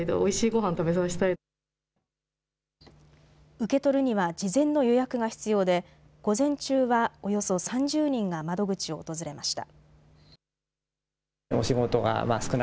受け取るには事前の予約が必要で午前中はおよそ３０人が窓口を訪れました。